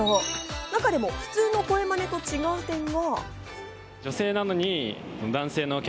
中でも普通の声まねと違うのが。